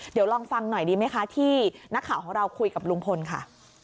เดี๋ยวลองฟังหน่อยดีไหมคะที่นักข่าวของเราคุยกับลุงพลค่ะ